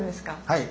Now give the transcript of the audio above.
はい。